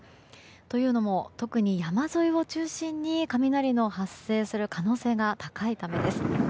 というのも、特に山沿いを中心に雷が発生する確率が高いためです。